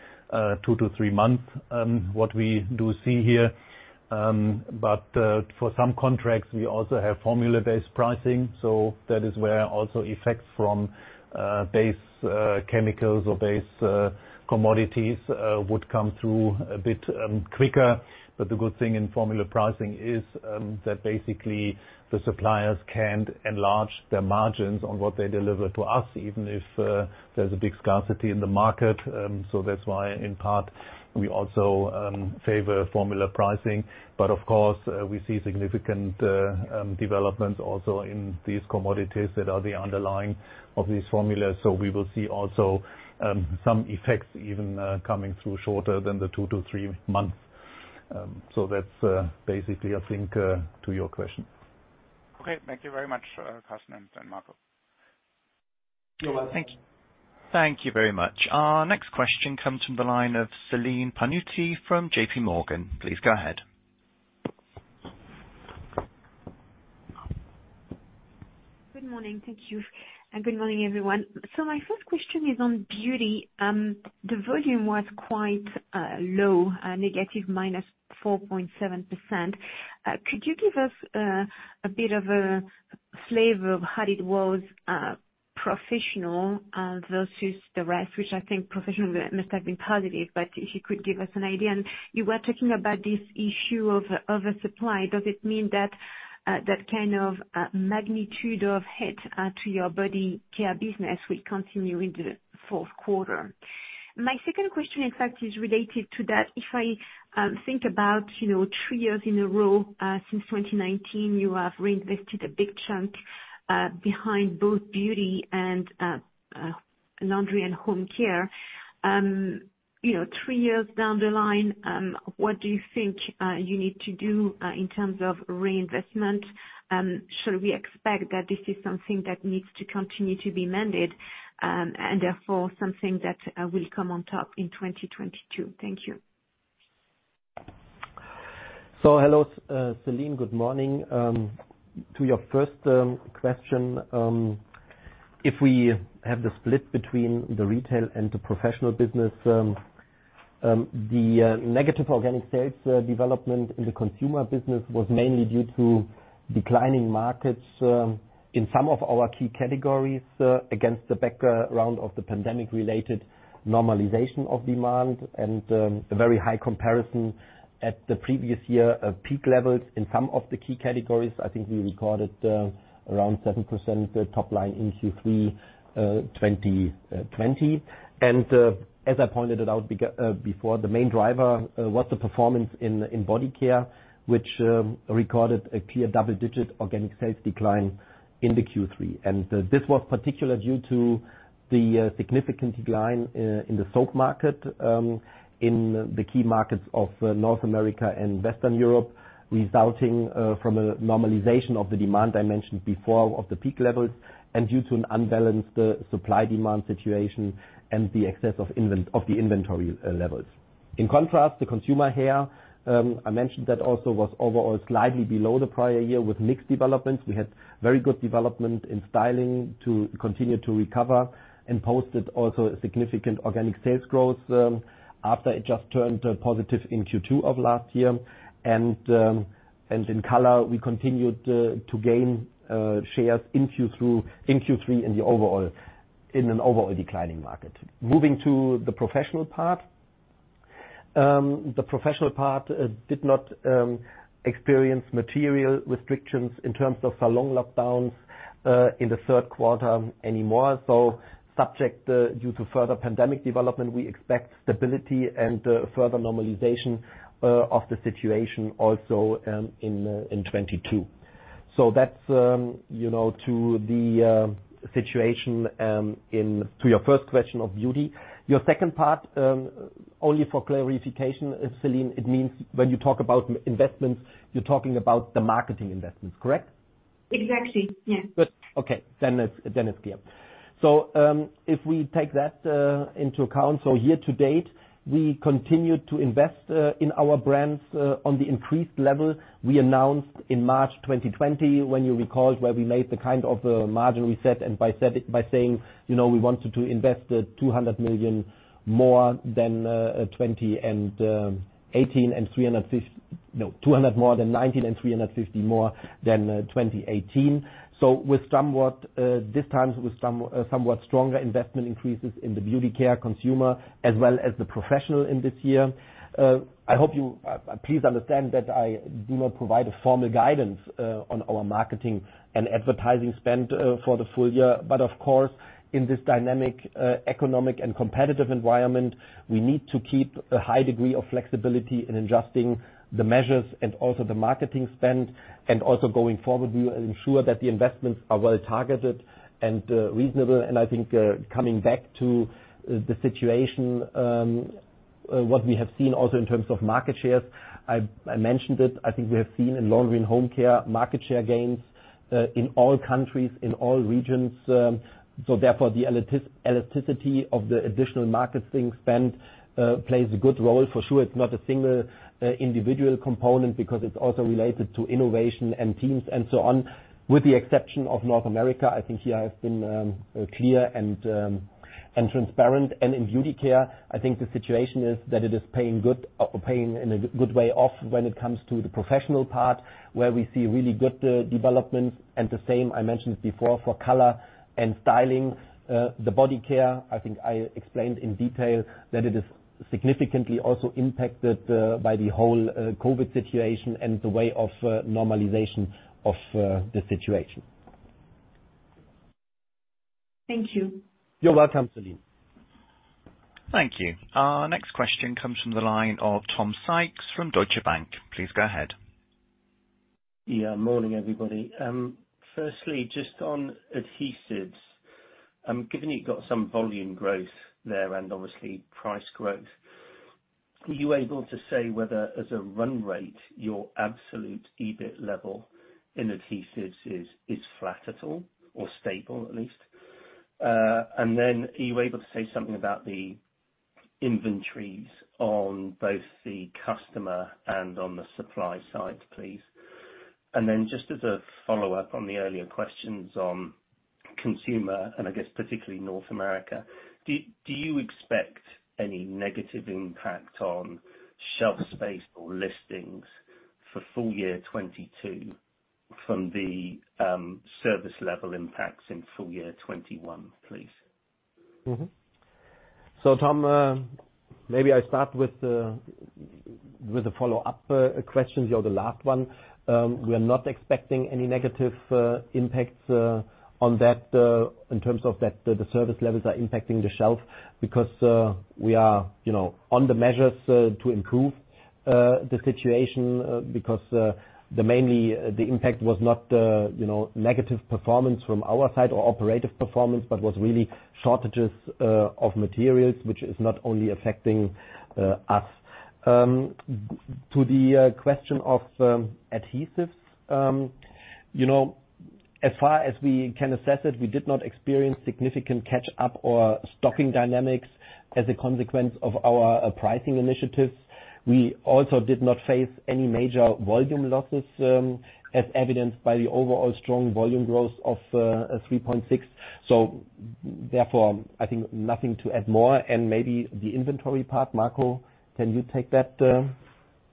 two to three months, what we do see here. For some contracts, we also have formula-based pricing. That is where also effects from base chemicals or base commodities would come through a bit quicker. The good thing in formula pricing is that basically the suppliers can't enlarge their margins on what they deliver to us, even if there's a big scarcity in the market. That's why in part we also favor formula pricing. Of course, we see significant developments also in these commodities that are the underlying of these formulas. We will see also some effects even coming through shorter than the two to three months. That's basically, I think, to your question. Okay. Thank you very much, Carsten and Marco. You're welcome. Thank you. Thank you very much. Our next question comes from the line of Celine Pannuti from JPMorgan. Please go ahead. Good morning. Thank you, and good morning, everyone. My first question is on Beauty. The volume was quite low, negative -4.7%. Could you give us a bit of a flavor of how it was, professional versus the rest, which I think professional must have been positive, but if you could give us an idea? You were talking about this issue of oversupply. Does it mean that that kind of magnitude of hit to your body care business will continue into the fourth quarter? My second question, in fact, is related to that. If I think about, you know, three years in a row, since 2019, you have reinvested a big chunk behind both Beauty and Laundry and Home Care. You know, three years down the line, what do you think you need to do in terms of reinvestment? Should we expect that this is something that needs to continue to be mended, and therefore something that will come on top in 2022? Thank you. Hello, Celine. Good morning. To your first question, if we have the split between the retail and the professional business, the negative organic sales development in the consumer business was mainly due to declining markets in some of our key categories, against the background of the pandemic-related normalization of demand and a very high comparison to the previous year peak levels in some of the key categories. I think we recorded around 7% top line in Q3 2020. As I pointed it out before, the main driver was the performance in body care, which recorded a clear double-digit organic sales decline in the Q3. This was particularly due to the significant decline in the soap market in the key markets of North America and Western Europe, resulting from a normalization of the demand I mentioned before of the peak levels and due to an unbalanced supply-demand situation and the excess of the inventory levels. In contrast, the consumer hair I mentioned that also was overall slightly below the prior year with mixed developments. We had very good development in styling to continue to recover and posted also a significant organic sales growth after it just turned positive in Q2 of last year. In color, we continued to gain shares in Q3 in an overall declining market. Moving to the professional part The professional part did not experience material restrictions in terms of the long lockdowns in the third quarter anymore. Subject to further pandemic development, we expect stability and further normalization of the situation also in 2022. That's, you know, to the situation in to your first question of beauty. Your second part, only for clarification, Celine, it means when you talk about investments, you're talking about the marketing investments, correct? Exactly, yes. Good. Okay, then it's clear. If we take that into account, year to date, we continue to invest in our brands on the increased level we announced in March 2020, when you recall, where we made the kind of margin we said, and we said it by saying, you know, we wanted to invest 200 million more than 2020 and 2018 and three hundred fift- no, EUR 200 million more than 2019 and 350 million more than 2018. With somewhat this time with somewhat stronger investment increases in the Beauty Care consumer as well as the Professional in this year. I hope you please understand that I do not provide a formal guidance on our marketing and advertising spend for the full year. Of course, in this dynamic, economic and competitive environment, we need to keep a high degree of flexibility in adjusting the measures and also the marketing spend. Also going forward, we will ensure that the investments are well targeted and reasonable. I think, coming back to the situation, what we have seen also in terms of market shares, I mentioned it. I think we have seen in Laundry and Home Care market share gains, in all countries, in all regions. Therefore the elasticity of the additional marketing spend plays a good role. For sure it's not a single individual component because it's also related to innovation and teams and so on. With the exception of North America, I think here I've been clear and transparent. In Beauty Care, I think the situation is that it is paying off in a good way when it comes to the professional part, where we see really good developments. The same, I mentioned before, for color and styling. The Body Care, I think I explained in detail that it is significantly also impacted by the whole COVID situation and the way of normalization of the situation. Thank you. You're welcome, Celine. Thank you. Our next question comes from the line of Tom Sykes from Deutsche Bank. Please go ahead. Yeah. Morning, everybody. Firstly, just on adhesives, given you've got some volume growth there and obviously price growth, are you able to say whether as a run rate, your absolute EBIT level in adhesives is flat at all or stable at least? And then are you able to say something about the inventories on both the customer and on the supply side, please? And then just as a follow-up on the earlier questions on consumer and I guess particularly North America, do you expect any negative impact on shelf space or listings for full year 2022 from the service level impacts in full year 2021, please? Tom, maybe I start with the follow-up question or the last one. We are not expecting any negative impacts on that in terms of the service levels impacting the shelf because we are, you know, on the measures to improve the situation. Because mainly the impact was not, you know, negative performance from our side or operational performance, but was really shortages of materials, which is not only affecting us. To the question of adhesives. You know, as far as we can assess it, we did not experience significant catch-up or stocking dynamics as a consequence of our pricing initiatives. We also did not face any major volume losses as evidenced by the overall strong volume growth of 3.6%. Therefore, I think nothing to add more and maybe the inventory part. Marco, can you take that?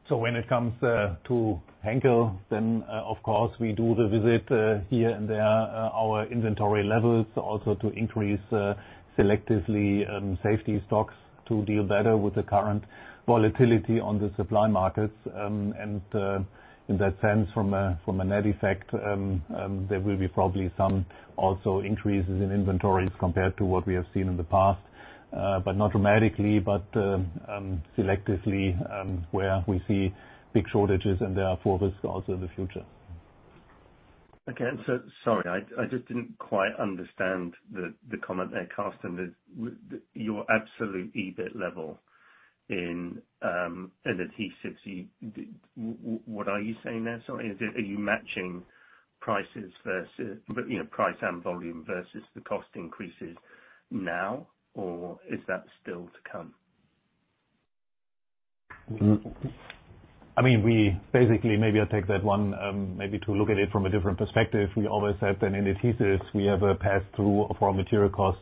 When it comes to Henkel, then, of course we do the visit here and there our inventory levels also to increase selectively safety stocks to deal better with the current volatility on the supply markets. And in that sense from a net effect, there will be probably some also increases in inventories compared to what we have seen in the past. But not dramatically, but selectively where we see big shortages and therefore risk also in the future. Okay. Sorry, I just didn't quite understand the comment there, Carsten. Your absolute EBIT level in adhesives. What are you saying there? Sorry. Are you matching prices versus, you know, price and volume versus the cost increases now, or is that still to come? I mean, we basically, maybe I take that one, maybe to look at it from a different perspective. We always said that in adhesives we have a pass-through for material costs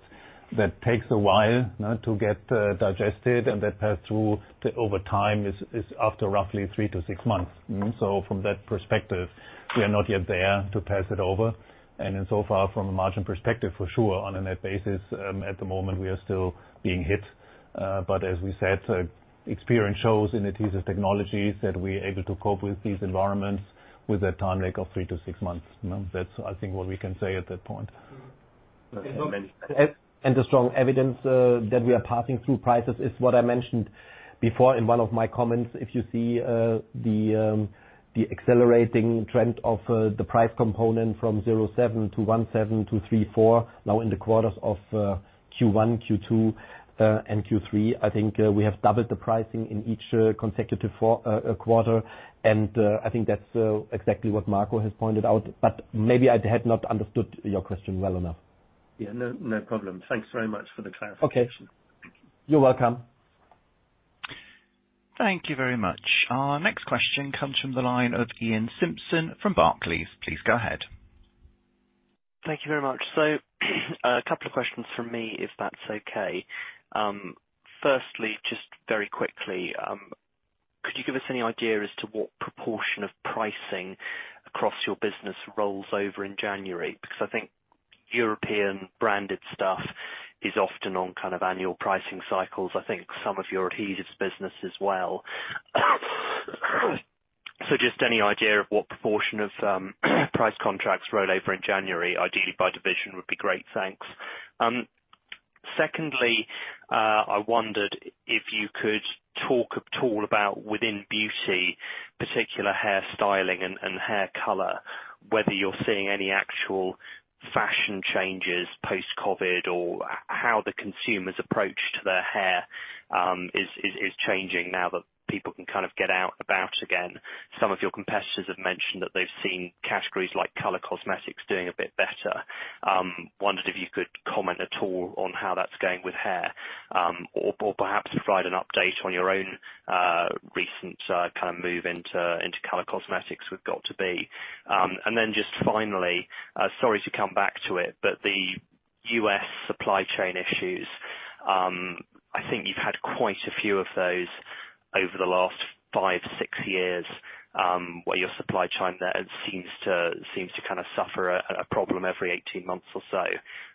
that takes a while to get digested, and that pass-through to over time is after roughly three to six months. From that perspective, we are not yet there to pass it over. In so far from a margin perspective, for sure on a net basis, at the moment, we are still being hit. Experience shows in Adhesive Technologies that we're able to cope with these environments with a time lag of three to six months. You know? That's, I think, what we can say at that point. The strong evidence that we are passing through prices is what I mentioned before in one of my comments. If you see the accelerating trend of the price component from 0.7% to 1.7% to 3.4%, now in the quarters of Q1, Q2, and Q3, I think we have doubled the pricing in each consecutive quarter. I think that's exactly what Marco has pointed out. Maybe I had not understood your question well enough. Yeah. No, no problem. Thanks very much for the clarification. Okay. You're welcome. Thank you very much. Our next question comes from the line of Iain Simpson from Barclays. Please go ahead. Thank you very much. A couple of questions from me, if that's okay. Firstly, just very quickly, could you give us any idea as to what proportion of pricing across your business rolls over in January? Because I think European branded stuff is often on kind of annual pricing cycles, I think some of your adhesives business as well. Just any idea of what proportion of price contracts roll over in January, ideally by division, would be great. Thanks. Secondly, I wondered if you could talk at all about within beauty, particular hair styling and hair color, whether you're seeing any actual fashion changes post-COVID or how the consumer's approach to their hair is changing now that people can kind of get out and about again. Some of your competitors have mentioned that they've seen categories like color cosmetics doing a bit better. Wondered if you could comment at all on how that's going with hair. Or perhaps provide an update on your own recent kind of move into color cosmetics with göt2b. Then just finally, sorry to come back to it, but the U.S. supply chain issues, I think you've had quite a few of those over the last five, six years, where your supply chain there seems to kind of suffer a problem every 18 months or so.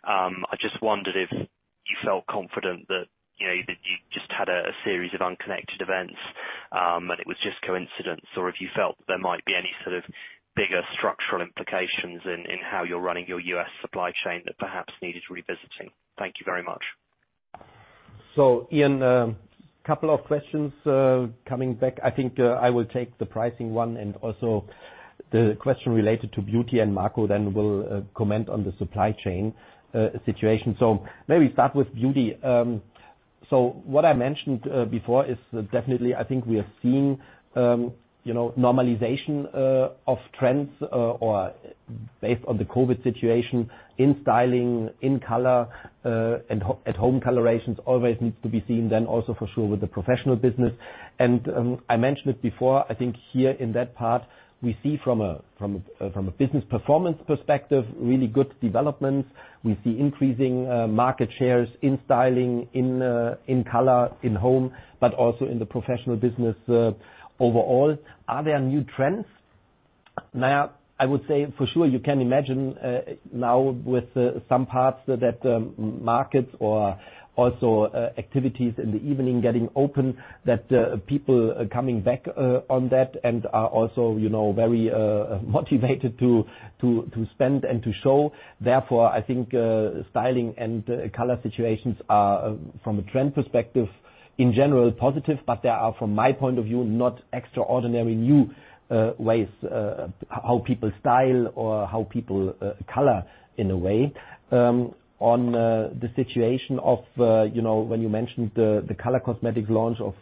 I just wondered if you felt confident that, you know, that you just had a series of unconnected events, and it was just coincidence, or if you felt there might be any sort of bigger structural implications in how you're running your U.S. supply chain that perhaps needed revisiting? Thank you very much. Iain, couple of questions coming back. I think I will take the pricing one and also the question related to beauty, and Marco then will comment on the supply chain situation. Maybe start with beauty. What I mentioned before is definitely I think we are seeing you know normalization of trends or based on the COVID situation in styling, in color, and at home colorations always needs to be seen then also for sure with the professional business. I mentioned it before, I think here in that part, we see from a business performance perspective really good developments. We see increasing market shares in styling, in color, in home, but also in the professional business overall. Are there new trends? Now, I would say for sure, you can imagine, now with some parts that markets or also activities in the evening getting open, that people are coming back on that and are also, you know, very motivated to spend and to show. Therefore, I think styling and color situations are from a trend perspective, in general, positive, but they are, from my point of view, not extraordinary new ways how people style or how people color in a way. On the situation of, you know, when you mentioned the color cosmetic launch of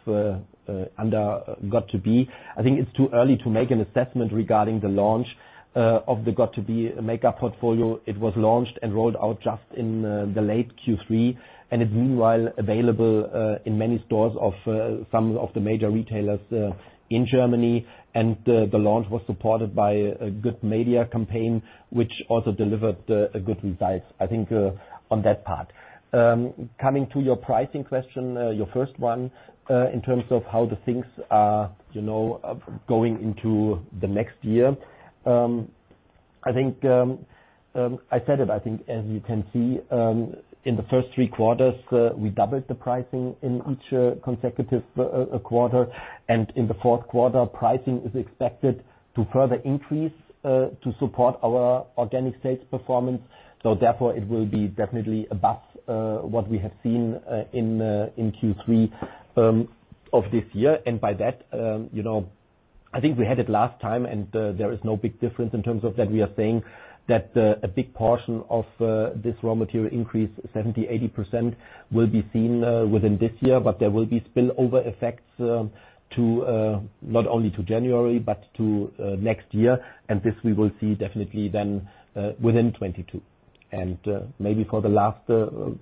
under göt2b, I think it's too early to make an assessment regarding the launch of the göt2b makeup portfolio. It was launched and rolled out just in the late Q3, and it's meanwhile available in many stores of some of the major retailers in Germany. The launch was supported by a good media campaign, which also delivered a good result, I think, on that part. Coming to your pricing question, your first one, in terms of how the things are, you know, going into the next year, I think, I said it, I think as you can see in the first three quarters, we doubled the pricing in each consecutive quarter. In the fourth quarter, pricing is expected to further increase to support our organic sales performance. Therefore it will be definitely above what we have seen in Q3 of this year. By that, you know, I think we had it last time, and there is no big difference in terms of that. We are saying that a big portion of this raw material increase 70%-80% will be seen within this year, but there will be spillover effects to not only January, but to next year. This we will see definitely then within 2022. Maybe for the last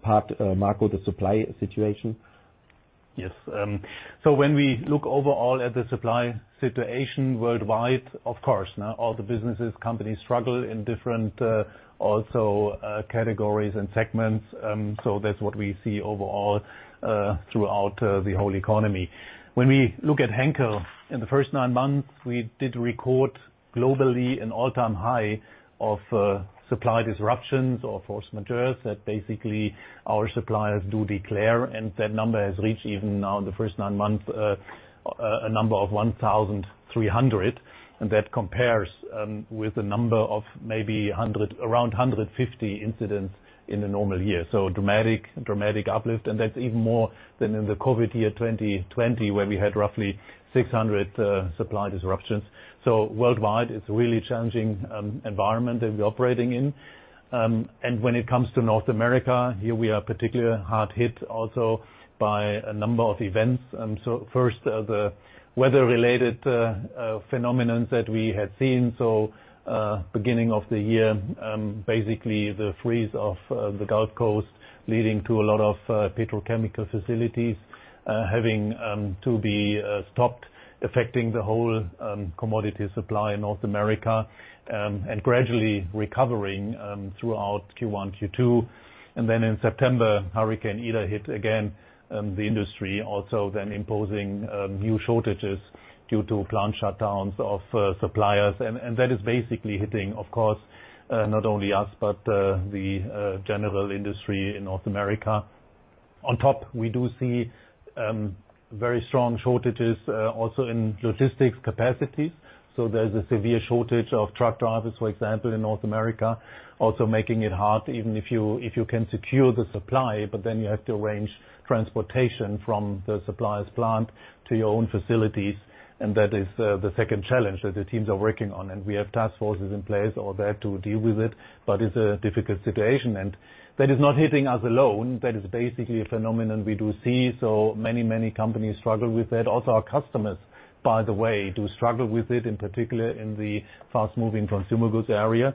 part, Marco, the supply situation. Yes. When we look overall at the supply situation worldwide, of course now all the businesses, companies struggle in different, also, categories and segments. That's what we see overall, throughout the whole economy. When we look at Henkel, in the first nine months, we did record globally an all-time high of supply disruptions or force majeure that basically our suppliers do declare, and that number has reached even now in the first nine months a number of 1,300. That compares with the number of maybe around 150 incidents in a normal year. Dramatic uplift, and that's even more than in the COVID year 2020, where we had roughly 600 supply disruptions. Worldwide, it's a really challenging environment that we're operating in. When it comes to North America, here we are particularly hard hit also by a number of events. First, the weather-related phenomena that we had seen. Beginning of the year, basically the freeze of the Gulf Coast leading to a lot of petrochemical facilities having to be stopped, affecting the whole commodity supply in North America and gradually recovering throughout Q1, Q2. Then in September, Hurricane Ida hit again, the industry also then imposing new shortages due to plant shutdowns of suppliers. That is basically hitting, of course, not only us, but the general industry in North America. On top, we do see very strong shortages also in logistics capacity. There's a severe shortage of truck drivers, for example, in North America, also making it hard even if you can secure the supply, but then you have to arrange transportation from the supplier's plant to your own facilities. That is the second challenge that the teams are working on. We have task forces in place over there to deal with it. It's a difficult situation, and that is not hitting us alone. That is basically a phenomenon we do see, many companies struggle with that. Also our customers, by the way, do struggle with it, in particular in the fast-moving consumer goods area,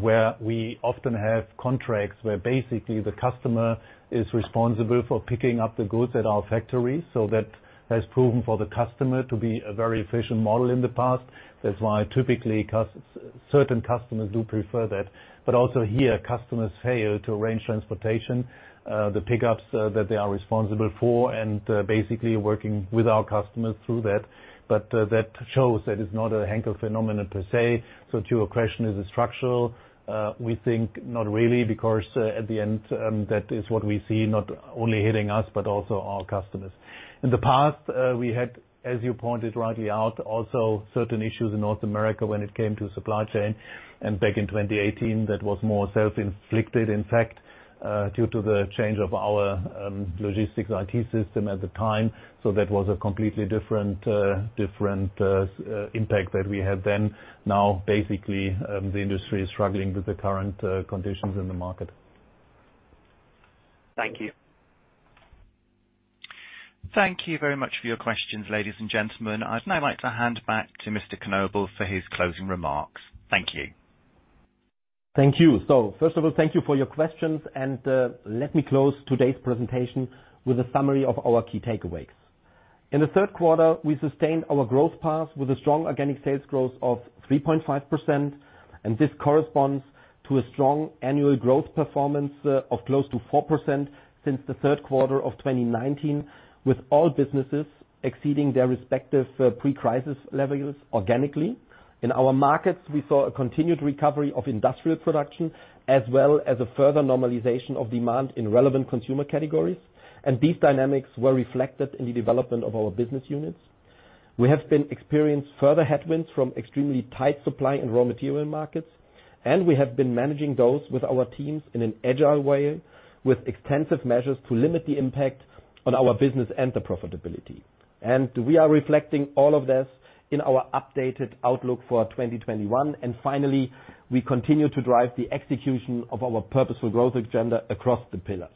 where we often have contracts where basically the customer is responsible for picking up the goods at our factory. That has proven for the customer to be a very efficient model in the past. That's why typically certain customers do prefer that. But also here, customers fail to arrange transportation, the pickups, that they are responsible for and basically working with our customers through that. But that shows that it's not a Henkel phenomenon per se. To your question, is it structural? We think not really because at the end, that is what we see not only hitting us, but also our customers. In the past, we had, as you pointed rightly out, also certain issues in North America when it came to supply chain. Back in 2018, that was more self-inflicted, in fact, due to the change of our logistics IT system at the time. That was a completely different impact that we had then. Now basically, the industry is struggling with the current conditions in the market. Thank you. Thank you very much for your questions, ladies and gentlemen. I'd now like to hand back to Mr. Knobel for his closing remarks. Thank you. Thank you. First of all, thank you for your questions. Let me close today's presentation with a summary of our key takeaways. In the third quarter, we sustained our growth path with a strong organic sales growth of 3.5%, and this corresponds to a strong annual growth performance of close to 4% since the third quarter of 2019, with all businesses exceeding their respective pre-crisis levels organically. In our markets, we saw a continued recovery of industrial production, as well as a further normalization of demand in relevant consumer categories. These dynamics were reflected in the development of our business units. We have experienced further headwinds from extremely tight supply and raw material markets, and we have been managing those with our teams in an agile way with extensive measures to limit the impact on our business and the profitability. We are reflecting all of this in our updated outlook for 2021. Finally, we continue to drive the execution of our Purposeful Growth agenda across the pillars.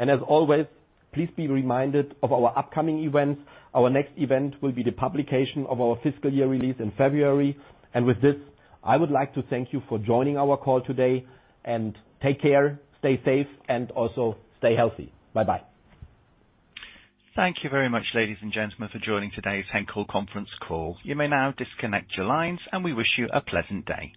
As always, please be reminded of our upcoming events. Our next event will be the publication of our fiscal year release in February. With this, I would like to thank you for joining our call today, and take care, stay safe, and also stay healthy. Bye-bye. Thank you very much, ladies and gentlemen, for joining today's Henkel conference call. You may now disconnect your lines, and we wish you a pleasant day.